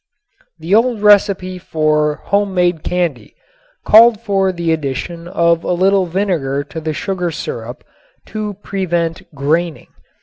The old recipe for home made candy called for the addition of a little vinegar to the sugar syrup to prevent "graining."